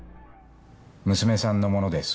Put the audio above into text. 娘さんのものです。